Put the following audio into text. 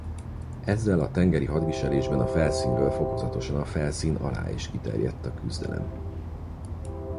Ezzel a tengeri hadviselésben a felszínről fokozatosan a felszín alá is kiterjedt a küzdelem.